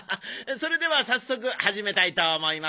それでは早速始めたいと思います。